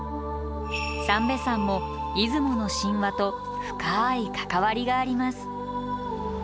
三瓶山も出雲の神話と深い関わりがあります